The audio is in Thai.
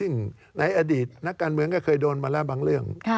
ซึ่งในอดีตนักการเมืองก็เคยโดนมาแล้วบางเรื่อง